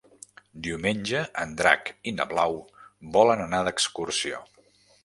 Diumenge en Drac i na Blau volen anar d'excursió.